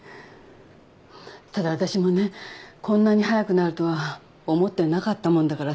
ただあたしもねこんなに早くなるとは思ってなかったもんだから。